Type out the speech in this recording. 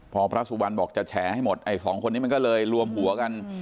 พอพระสุวรรณบอกจะแฉให้หมดไอ้สองคนนี้มันก็เลยรวมหัวกัน